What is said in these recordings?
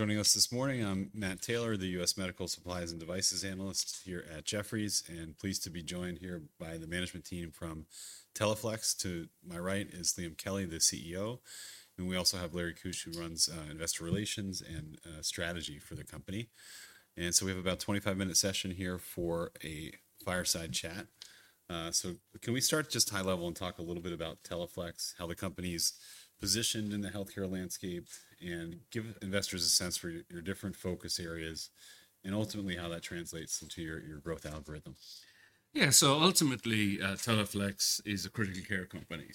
Joining us this morning, I'm Matt Taylor, the U.S. Medical Supplies and Devices Analyst here at Jefferies, and pleased to be joined here by the management team from Teleflex. To my right is Liam Kelly, the CEO, and we also have Larry Keusch, who runs investor relations and strategy for the company. And so we have about a 25-minute session here for a fireside chat. So can we start just high level and talk a little bit about Teleflex, how the company's positioned in the healthcare landscape, and give investors a sense for your different focus areas, and ultimately how that translates into your growth algorithm? Yeah, so ultimately, Teleflex is a critical care company.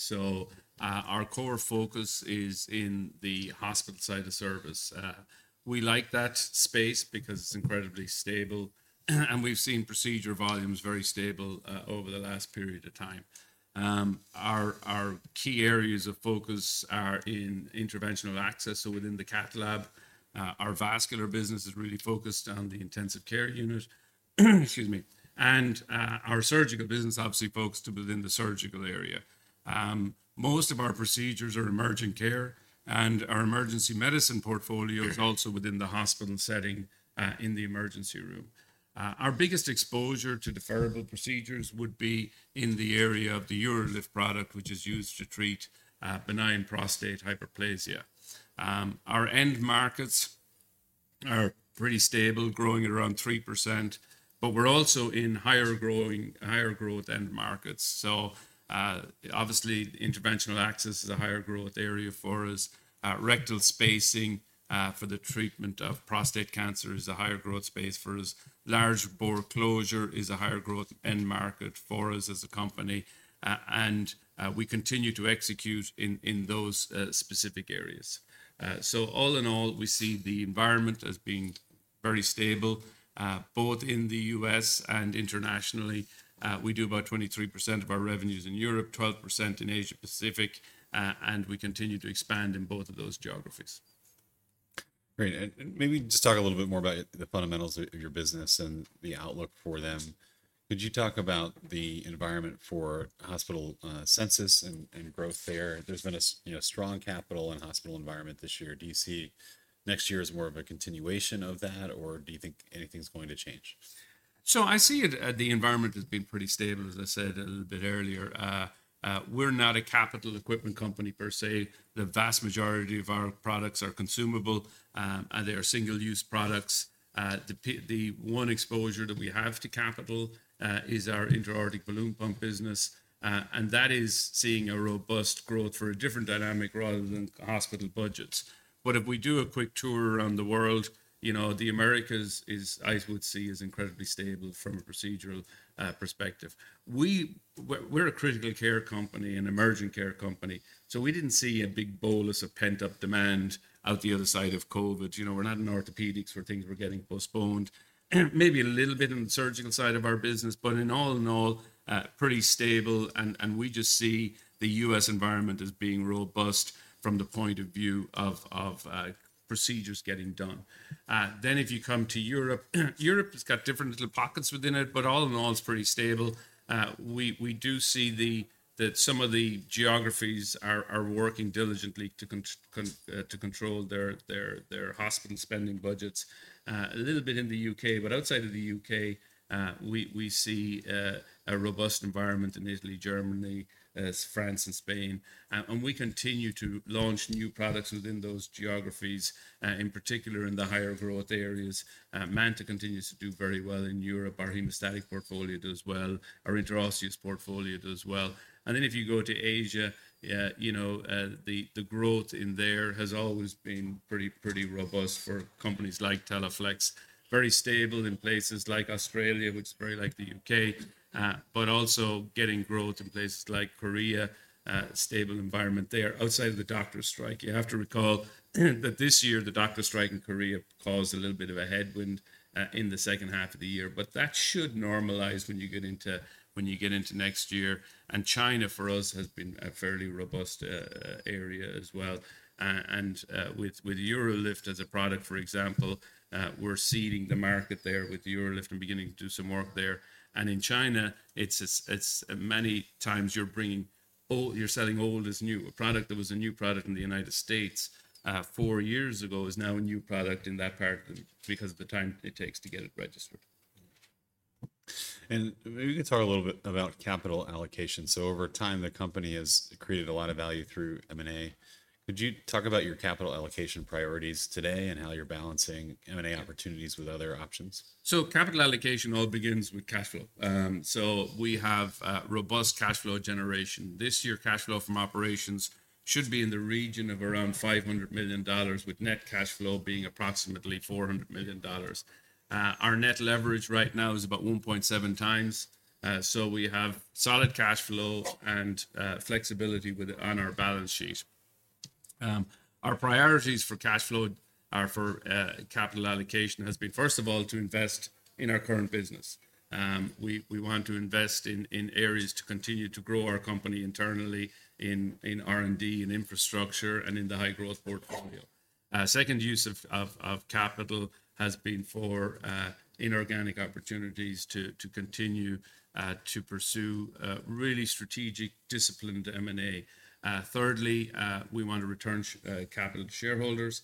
Our core focus is in the hospital side of service. We like that space because it's incredibly stable, and we've seen procedure volumes very stable over the last period of time. Our key areas of focus are in interventional access. Within the catalog, our vascular business is really focused on the intensive care unit. Excuse me. Our surgical business obviously focused within the surgical area. Most of our procedures are emergency care, and our emergency medicine portfolio is also within the hospital setting in the emergency room. Our biggest exposure to deferable procedures would be in the area of the UroLift product, which is used to treat benign prostatic hyperplasia. Our end markets are pretty stable, growing at around 3%, but we're also in higher growth end markets. Obviously, interventional access is a higher growth area for us. Rectal spacing for the treatment of prostate cancer is a higher growth space for us. Large bore closure is a higher growth end market for us as a company. We continue to execute in those specific areas. All in all, we see the environment as being very stable, both in the U.S. and internationally. We do about 23% of our revenues in Europe, 12% in Asia Pacific, and we continue to expand in both of those geographies. Great. And maybe just talk a little bit more about the fundamentals of your business and the outlook for them. Could you talk about the environment for hospital census and growth there? There's been a strong capital and hospital environment this year. Do you see next year as more of a continuation of that, or do you think anything's going to change? So I see the environment has been pretty stable, as I said a little bit earlier. We're not a capital equipment company per se. The vast majority of our products are consumable, and they are single-use products. The one exposure that we have to capital is our intra-aortic balloon pump business, and that is seeing a robust growth for a different dynamic rather than hospital budgets. But if we do a quick tour around the world, you know, the Americas is, I would see, is incredibly stable from a procedural perspective. We're a critical care company and emerging care company. So we didn't see a big bolus of pent-up demand out the other side of COVID. You know, we're not in orthopedics where things were getting postponed. Maybe a little bit on the surgical side of our business, but in all in all, pretty stable. We just see the U.S. environment as being robust from the point of view of procedures getting done. If you come to Europe, Europe's got different little pockets within it, but all in all, it's pretty stable. We do see that some of the geographies are working diligently to control their hospital spending budgets. A little bit in the U.K., but outside of the U.K., we see a robust environment in Italy, Germany, France, and Spain. We continue to launch new products within those geographies, in particular in the higher growth areas. MANTA continues to do very well in Europe. Our hemostatic portfolio does well. Our intraosseous portfolio does well. If you go to Asia, you know, the growth in there has always been pretty robust for companies like Teleflex. Very stable in places like Australia, which is very like the U.K., but also getting growth in places like Korea. Stable environment there. Outside of the doctor strike, you have to recall that this year the doctor strike in Korea caused a little bit of a headwind in the second half of the year, but that should normalize when you get into next year. And China for us has been a fairly robust area as well. And with UroLift as a product, for example, we're seeding the market there with UroLift and beginning to do some work there. And in China, it's many times you're selling old as new. A product that was a new product in the United States four years ago is now a new product in that part because of the time it takes to get it registered. Maybe we could talk a little bit about capital allocation. Over time, the company has created a lot of value through M&A. Could you talk about your capital allocation priorities today and how you're balancing M&A opportunities with other options? So capital allocation all begins with cash flow. So we have robust cash flow generation. This year, cash flow from operations should be in the region of around $500 million, with net cash flow being approximately $400 million. Our net leverage right now is about 1.7 times. So we have solid cash flow and flexibility on our balance sheet. Our priorities for cash flow for capital allocation have been, first of all, to invest in our current business. We want to invest in areas to continue to grow our company internally in R&D and infrastructure and in the high growth portfolio. Second use of capital has been for inorganic opportunities to continue to pursue really strategic, disciplined M&A. Thirdly, we want to return capital to shareholders.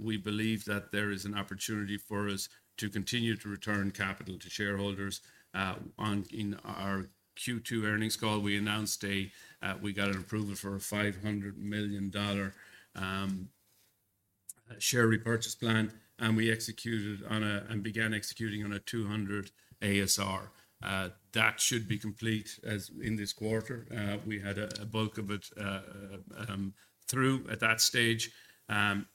We believe that there is an opportunity for us to continue to return capital to shareholders. In our Q2 earnings call, we announced we got an approval for a $500 million share repurchase plan, and we began executing on a $200 million ASR. That should be complete in this quarter. We had the bulk of it through at that stage. And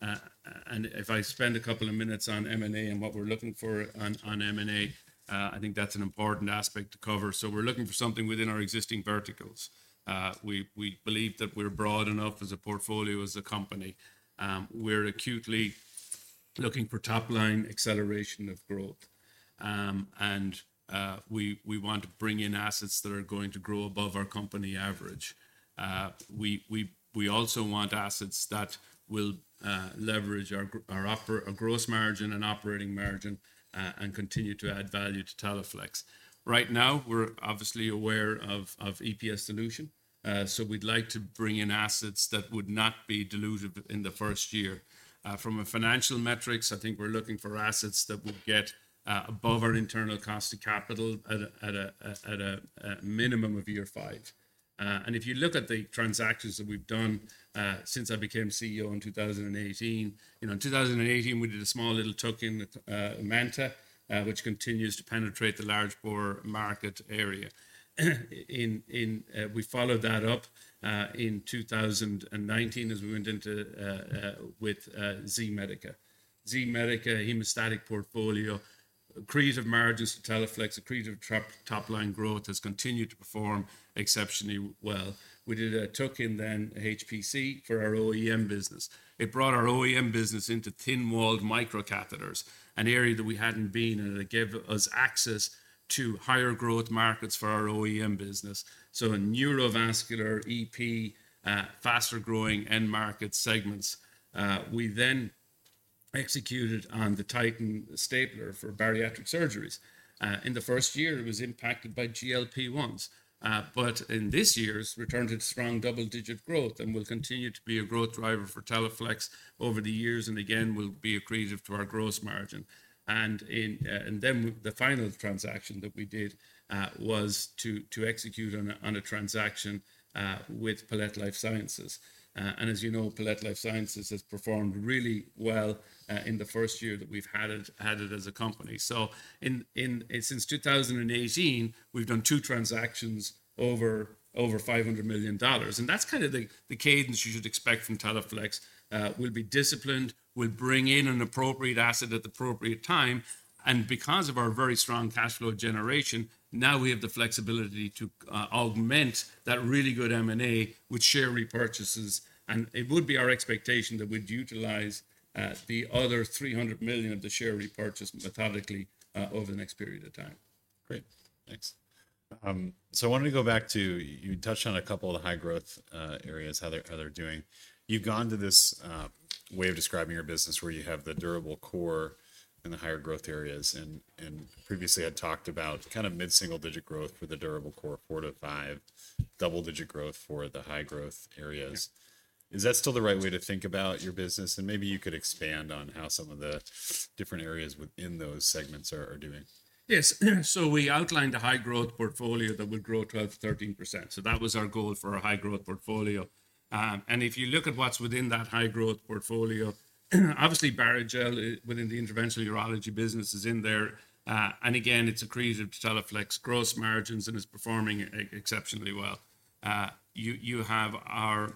if I spend a couple of minutes on M&A and what we're looking for on M&A, I think that's an important aspect to cover. So we're looking for something within our existing verticals. We believe that we're broad enough as a portfolio, as a company. We're actively looking for top-line acceleration of growth. And we want to bring in assets that are going to grow above our company average. We also want assets that will leverage our gross margin and operating margin and continue to add value to Teleflex. Right now, we're obviously aware of EPS dilution, so we'd like to bring in assets that would not be diluted in the first year. From a financial metrics, I think we're looking for assets that will get above our internal cost of capital at a minimum of year five, and if you look at the transactions that we've done since I became CEO in 2018, you know, in 2018, we did a small little tuck-in MANTA, which continues to penetrate the large bore market area. We followed that up in 2019 as we went into with Z-Medica. Z-Medica, hemostatic portfolio, accretive margins to Teleflex, a accretive top-line growth has continued to perform exceptionally well. We did a tuck-in then HPC for our OEM business. It brought our OEM business into thin-walled microcatheters, an area that we hadn't been, and it gave us access to higher growth markets for our OEM business, so in neurovascular, EP, faster growing end market segments, we then executed on the Titan stapler for bariatric surgeries. In the first year, it was impacted by GLP-1s, but in this year's return to strong double-digit growth, and we'll continue to be a growth driver for Teleflex over the years, and again, we'll be accretive to our gross margin, and then the final transaction that we did was to execute on a transaction with Palette Life Sciences, and as you know, Palette Life Sciences has performed really well in the first year that we've had it as a company, so since 2018, we've done two transactions over $500 million, and that's kind of the cadence you should expect from Teleflex. We'll be disciplined, we'll bring in an appropriate asset at the appropriate time, and because of our very strong cash flow generation, now we have the flexibility to augment that really good M&A with share repurchases. And it would be our expectation that we'd utilize the other $300 million of the share repurchase methodically over the next period of time. Great. Thanks. So I wanted to go back to, you touched on a couple of the high growth areas, how they're doing. You've gone to this way of describing your business where you have the durable core and the higher growth areas, and previously had talked about kind of mid-single-digit growth for the durable core, four to five, double-digit growth for the high growth areas. Is that still the right way to think about your business? And maybe you could expand on how some of the different areas within those segments are doing. Yes. So we outlined a high growth portfolio that would grow 12%-13%. So that was our goal for our high growth portfolio. And if you look at what's within that high growth portfolio, obviously Barrigel within the interventional urology business is in there. And again, it's accretive to Teleflex gross margins and is performing exceptionally well. You have our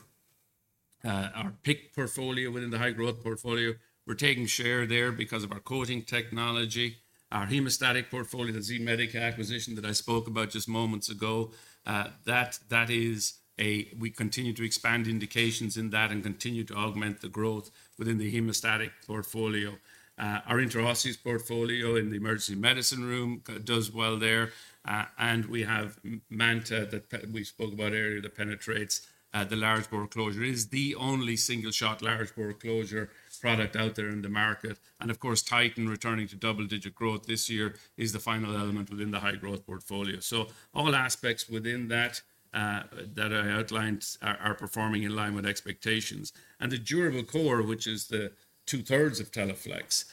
PICC portfolio within the high growth portfolio. We're taking share there because of our coating technology. Our hemostatic portfolio, the Z-Medica acquisition that I spoke about just moments ago, that is. We continue to expand indications in that and continue to augment the growth within the hemostatic portfolio. Our interosseous portfolio in the ER does well there. And we have MANTA that we spoke about earlier that penetrates the large bore closure. It is the only single-shot large bore closure product out there in the market. And of course, Titan returning to double-digit growth this year is the final element within the high growth portfolio. So all aspects within that that I outlined are performing in line with expectations. And the durable core, which is the two-thirds of Teleflex,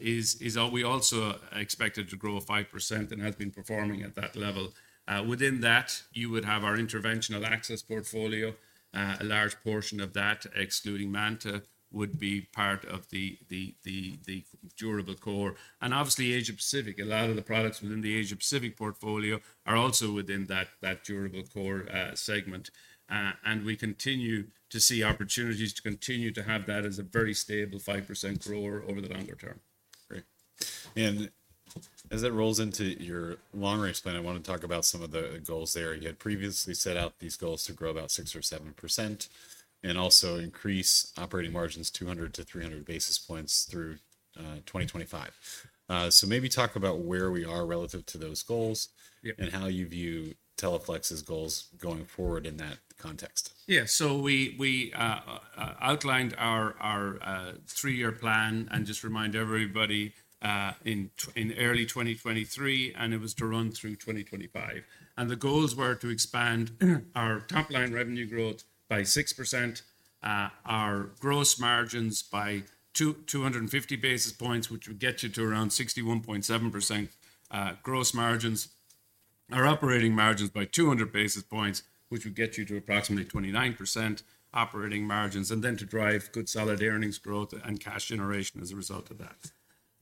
is we also expected to grow 5% and has been performing at that level. Within that, you would have our interventional access portfolio. A large portion of that, excluding MANTA, would be part of the durable core. And obviously, Asia Pacific, a lot of the products within the Asia Pacific portfolio are also within that durable core segment. And we continue to see opportunities to continue to have that as a very stable 5% grower over the longer term. Great. And as it rolls into your long-range plan, I want to talk about some of the goals there. You had previously set out these goals to grow about 6% or 7% and also increase operating margins 200 to 300 basis points through 2025. So maybe talk about where we are relative to those goals and how you view Teleflex's goals going forward in that context. Yeah. So we outlined our three-year plan and just remind everybody in early 2023, and it was to run through 2025, and the goals were to expand our top-line revenue growth by 6%, our gross margins by 250 basis points, which would get you to around 61.7% gross margins, our operating margins by 200 basis points, which would get you to approximately 29% operating margins, and then to drive good solid earnings growth and cash generation as a result of that.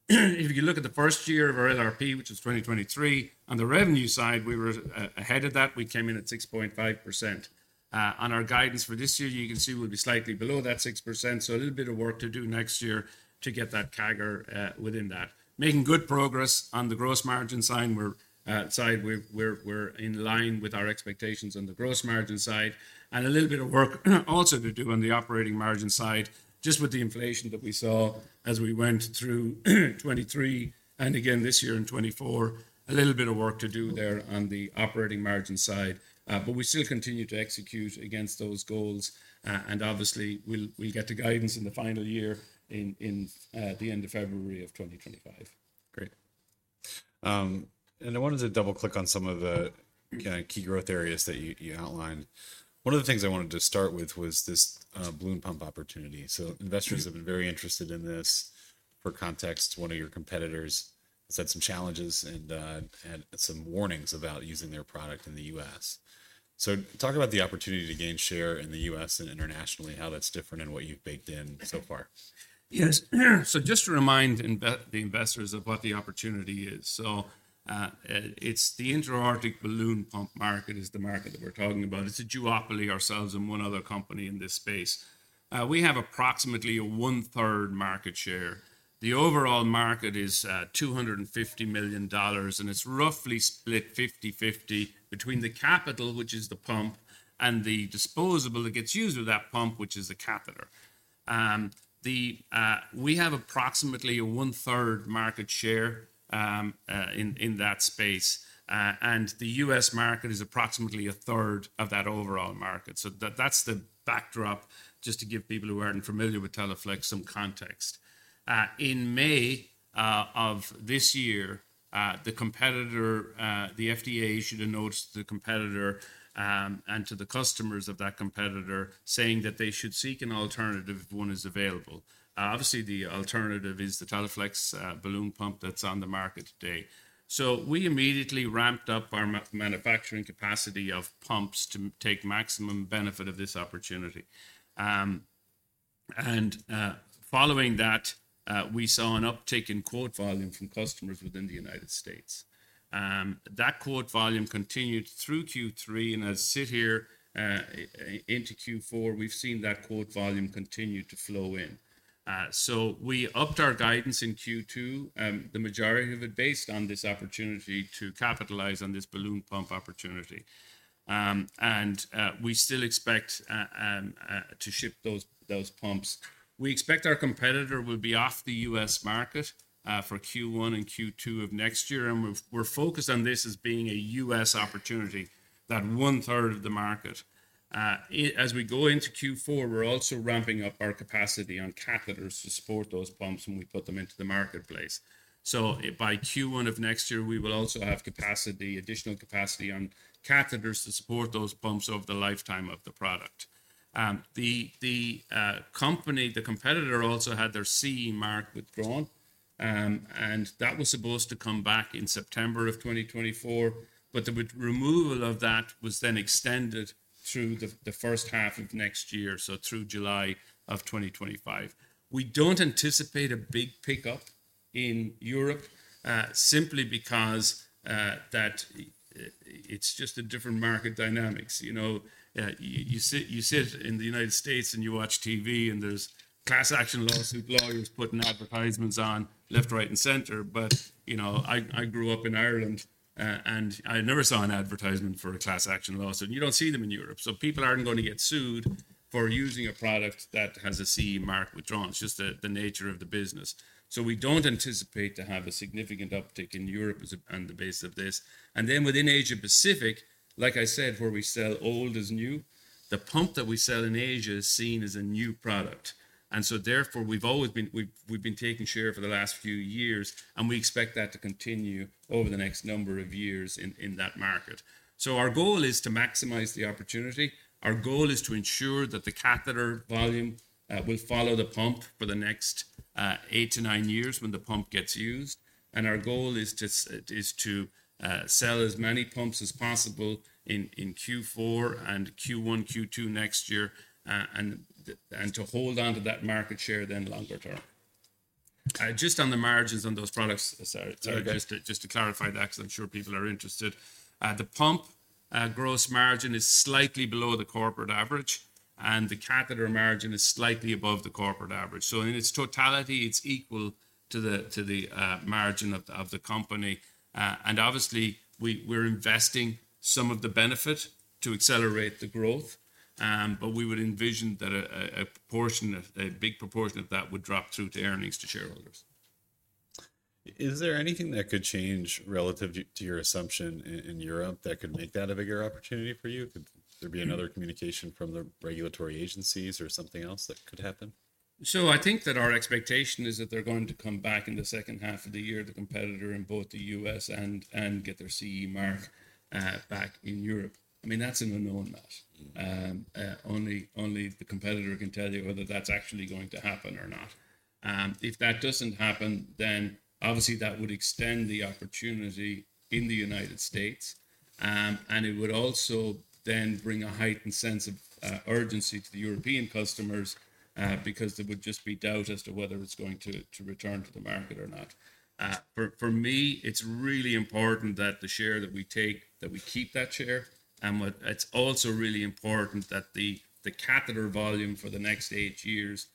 If you look at the first year of our LRP, which was 2023, on the revenue side, we were ahead of that. We came in at 6.5%. On our guidance for this year, you can see we'll be slightly below that 6%, so a little bit of work to do next year to get that CAGR within that, making good progress on the gross margin side. We're in line with our expectations on the gross margin side, and a little bit of work also to do on the operating margin side, just with the inflation that we saw as we went through 2023 and again this year in 2024, a little bit of work to do there on the operating margin side, but we still continue to execute against those goals, and obviously, we'll get to guidance in the final year in the end of February of 2025. Great. And I wanted to double-click on some of the key growth areas that you outlined. One of the things I wanted to start with was this balloon pump opportunity. So investors have been very interested in this. For context, one of your competitors has had some challenges and had some warnings about using their product in the U.S. So talk about the opportunity to gain share in the U.S. and internationally, how that's different and what you've baked in so far? Yes. So just to remind the investors of what the opportunity is. So it's the intra-aortic balloon pump market is the market that we're talking about. It's a duopoly, ourselves and one other company in this space. We have approximately one-third market share. The overall market is $250 million, and it's roughly split 50/50 between the capital, which is the pump, and the disposable that gets used with that pump, which is the catheter. We have approximately one-third market share in that space. And the U.S. market is approximately a third of that overall market. So that's the backdrop, just to give people who aren't familiar with Teleflex some context. In May of this year, the FDA issued a notice to the competitor and to the customers of that competitor saying that they should seek an alternative if one is available. Obviously, the alternative is the Teleflex balloon pump that's on the market today. So we immediately ramped up our manufacturing capacity of pumps to take maximum benefit of this opportunity. And following that, we saw an uptick in quote volume from customers within the United States. That quote volume continued through Q3, and as I sit here into Q4, we've seen that quote volume continue to flow in. So we upped our guidance in Q2, the majority of it based on this opportunity to capitalize on this balloon pump opportunity. And we still expect to ship those pumps. We expect our competitor will be off the U.S. market for Q1 and Q2 of next year. And we're focused on this as being a U.S. opportunity, that one-third of the market. As we go into Q4, we're also ramping up our capacity on catheters to support those pumps when we put them into the marketplace. So by Q1 of next year, we will also have capacity, additional capacity on catheters to support those pumps over the lifetime of the product. The company, the competitor also had their CE Mark withdrawn, and that was supposed to come back in September of 2024, but the removal of that was then extended through the first half of next year, so through July of 2025. We don't anticipate a big pickup in Europe simply because that it's just a different market dynamics. You sit in the United States and you watch TV, and there's class action lawsuit, lawyers putting advertisements on left, right, and center. But I grew up in Ireland, and I never saw an advertisement for a class action lawsuit. You don't see them in Europe. So people aren't going to get sued for using a product that has a CE Mark withdrawn. It's just the nature of the business. So we don't anticipate to have a significant uptick in Europe on the basis of this. And then within Asia Pacific, like I said, where we sell old as new, the pump that we sell in Asia is seen as a new product. And so therefore, we've been taking share for the last few years, and we expect that to continue over the next number of years in that market. So our goal is to maximize the opportunity. Our goal is to ensure that the catheter volume will follow the pump for the next eight to nine years when the pump gets used. And our goal is to sell as many pumps as possible in Q4 and Q1, Q2 next year, and to hold on to that market share then longer term. Just on the margins on those products, sorry, just to clarify that because I'm sure people are interested. The pump gross margin is slightly below the corporate average, and the catheter margin is slightly above the corporate average. So in its totality, it's equal to the margin of the company. And obviously, we're investing some of the benefit to accelerate the growth, but we would envision that a big proportion of that would drop through to earnings to shareholders. Is there anything that could change relative to your assumption in Europe that could make that a bigger opportunity for you? Could there be another communication from the regulatory agencies or something else that could happen? I think that our expectation is that they're going to come back in the second half of the year, the competitor in both the U.S. and get their CE Mark back in Europe. I mean, that's an unknown match. Only the competitor can tell you whether that's actually going to happen or not. If that doesn't happen, then obviously that would extend the opportunity in the United States. It would also then bring a heightened sense of urgency to the European customers because there would just be doubt as to whether it's going to return to the market or not. For me, it's really important that the share that we take, that we keep that share. It's also really important that the catheter volume for the next eight years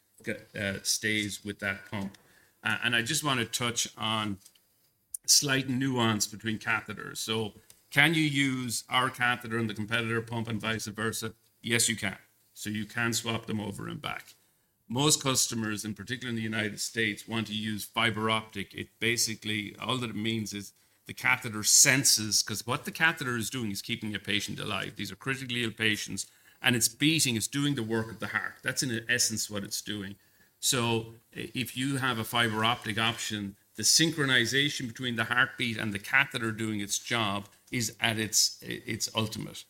stays with that pump. I just want to touch on slight nuance between catheters. So can you use our catheter and the competitor pump and vice versa? Yes, you can. So you can swap them over and back. Most customers, in particular in the United States, want to use fiber optic. It basically, all that it means is the catheter senses, because what the catheter is doing is keeping your patient alive. These are critically ill patients, and it's beating, it's doing the work of the heart. That's in essence what it's doing. So if you have a fiber optic option, the synchronization between the heartbeat and the catheter doing its job is at its ultimate.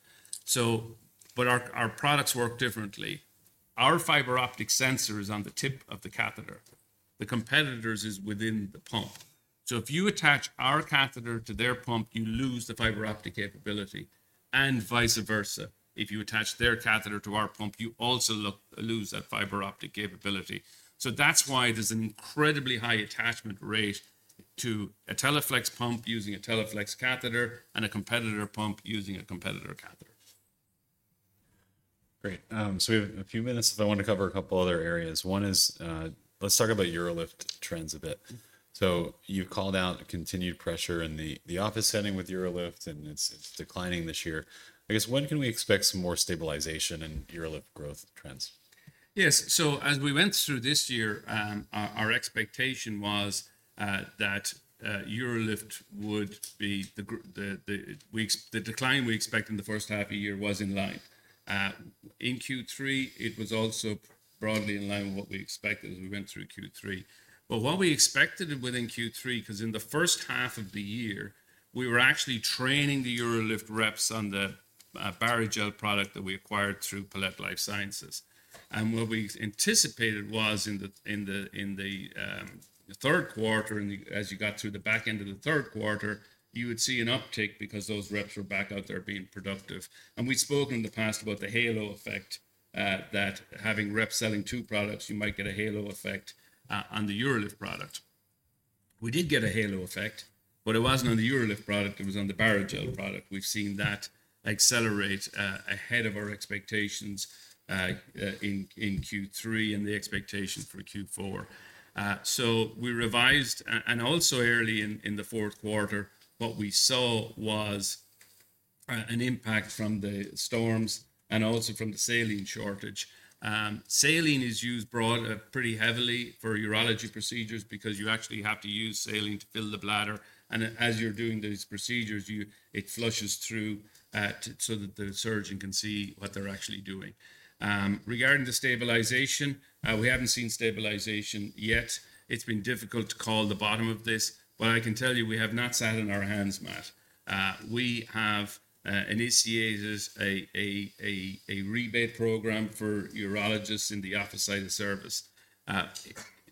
But our products work differently. Our fiber optic sensor is on the tip of the catheter. The competitor's is within the pump. So if you attach our catheter to their pump, you lose the fiber optic capability. And vice versa, if you attach their catheter to our pump, you also lose that fiber optic capability. So that's why there's an incredibly high attachment rate to a Teleflex pump using a Teleflex catheter and a competitor pump using a competitor catheter. Great. So we have a few minutes if I want to cover a couple of other areas. One is let's talk about UroLift trends a bit. So you called out continued pressure in the office setting with UroLift, and it's declining this year. I guess, when can we expect some more stabilization in UroLift growth trends? Yes. So as we went through this year, our expectation was that UroLift would be the decline we expected in the first half of the year was in line. In Q3, it was also broadly in line with what we expected as we went through Q3. But what we expected within Q3, because in the first half of the year, we were actually training the UroLift reps on the Barrigel product that we acquired through Palette Life Sciences. And what we anticipated was in the third quarter, as you got through the back end of the third quarter, you would see an uptick because those reps were back out there being productive. And we'd spoken in the past about the halo effect that having reps selling two products, you might get a halo effect on the UroLift product. We did get a halo effect, but it wasn't on the UroLift product. It was on the Barrigel product. We've seen that accelerate ahead of our expectations in Q3 and the expectation for Q4. So we revised, and also early in the fourth quarter, what we saw was an impact from the storms and also from the saline shortage. Saline is used broadly pretty heavily for urology procedures because you actually have to use saline to fill the bladder. And as you're doing these procedures, it flushes through so that the surgeon can see what they're actually doing. Regarding the stabilization, we haven't seen stabilization yet. It's been difficult to call the bottom of this. But I can tell you, we have not sat on our hands, Matt. We have initiated a rebate program for urologists in the office side of service.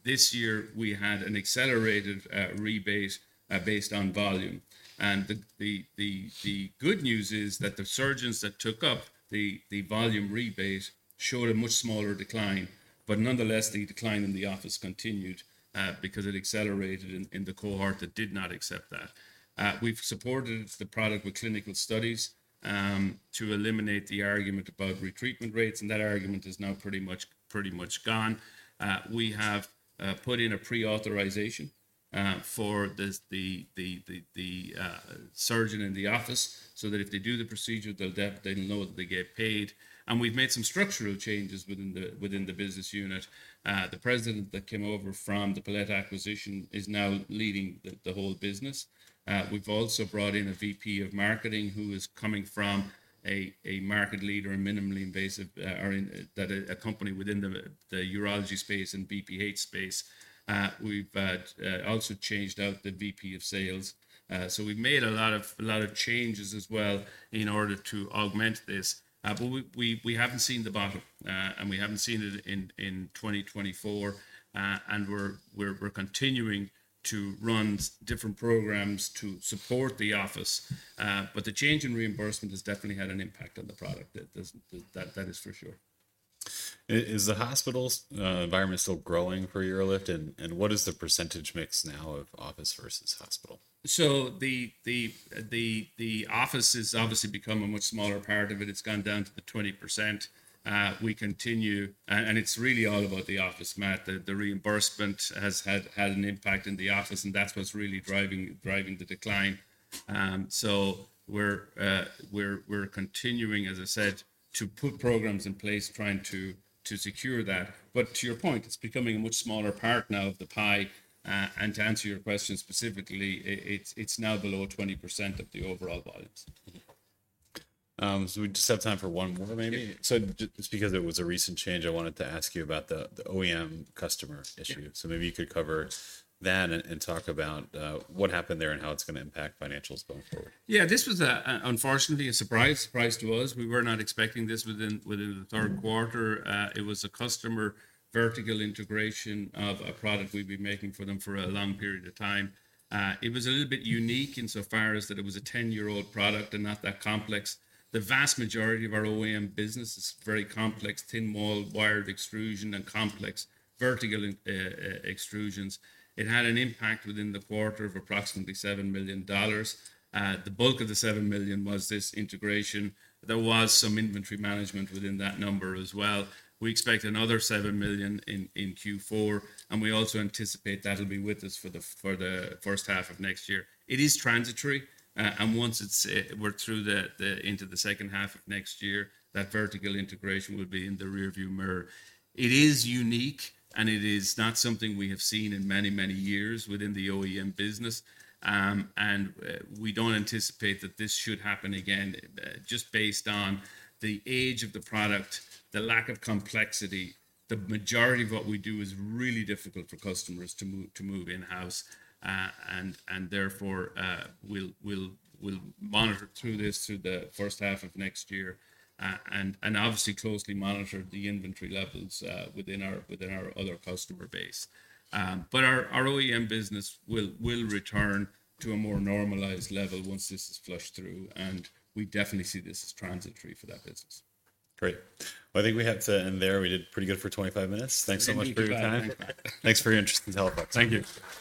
This year, we had an accelerated rebate based on volume. And the good news is that the surgeons that took up the volume rebate showed a much smaller decline. But nonetheless, the decline in the office continued because it accelerated in the cohort that did not accept that. We've supported the product with clinical studies to eliminate the argument about retreatment rates. And that argument is now pretty much gone. We have put in a pre-authorization for the surgeon in the office so that if they do the procedure, they'll know that they get paid. And we've made some structural changes within the business unit. The president that came over from the Palette acquisition is now leading the whole business. We've also brought in a VP of marketing who is coming from a market leader in minimally invasive that a company within the urology space and BPH space. We've also changed out the VP of sales. So we've made a lot of changes as well in order to augment this. But we haven't seen the bottom, and we haven't seen it in 2024. And we're continuing to run different programs to support the office. But the change in reimbursement has definitely had an impact on the product. That is for sure. Is the hospital environment still growing for UroLift? And what is the percentage mix now of office versus hospital? So the office has obviously become a much smaller part of it. It's gone down to 20%. We continue, and it's really all about the office, Matt. The reimbursement has had an impact in the office, and that's what's really driving the decline. So we're continuing, as I said, to put programs in place trying to secure that. But to your point, it's becoming a much smaller part now of the pie. And to answer your question specifically, it's now below 20% of the overall volumes. So we just have time for one more maybe. So just because it was a recent change, I wanted to ask you about the OEM customer issue. So maybe you could cover that and talk about what happened there and how it's going to impact financials going forward. Yeah, this was unfortunately a surprise, surprise to us. We were not expecting this within the third quarter. It was a customer vertical integration of a product we've been making for them for a long period of time. It was a little bit unique insofar as that it was a 10-year-old product and not that complex. The vast majority of our OEM business is very complex, thin wall, wired extrusion, and complex vertical extrusions. It had an impact within the quarter of approximately $7 million. The bulk of the $7 million was this integration. There was some inventory management within that number as well. We expect another $7 million in Q4, and we also anticipate that'll be with us for the first half of next year. It is transitory, and once we're through into the second half of next year, that vertical integration will be in the rearview mirror. It is unique, and it is not something we have seen in many, many years within the OEM business. And we don't anticipate that this should happen again just based on the age of the product, the lack of complexity. The majority of what we do is really difficult for customers to move in-house. And therefore, we'll monitor this through the first half of next year and obviously closely monitor the inventory levels within our other customer base. But our OEM business will return to a more normalized level once this is flushed through. And we definitely see this as transitory for that business. Great. Well, I think we had to end there. We did pretty good for 25 minutes. Thanks so much for your time. Thanks for your interest in Teleflex. Thank you.